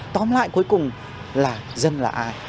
tóm lại cuối cùng là dân là ai